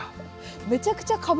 めちゃくちゃカブ。